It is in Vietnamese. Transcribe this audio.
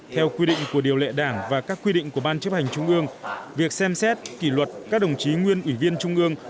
theo quy định của điều lệ đảng và các quy định của ban chấp hành trung ương việc xem xét kỷ luật các đồng chí nguyên ủy viên trung ương